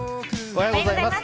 おはようございます。